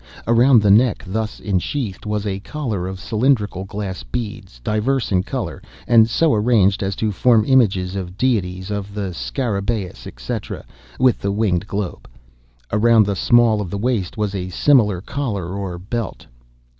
Around the neck thus ensheathed, was a collar of cylindrical glass beads, diverse in color, and so arranged as to form images of deities, of the scarabaeus, etc., with the winged globe. Around the small of the waist was a similar collar or belt.